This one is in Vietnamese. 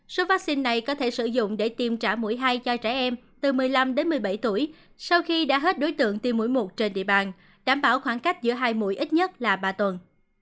số vaccine này có thể sử dụng để tiêm trả mũi hai cho trẻ em từ một mươi năm đến một mươi bảy tuổi sau khi đã hết đối tượng tiêm mũi một trên địa bàn đảm bảo khoảng cách giữa hai mũi ít nhất là ba tuần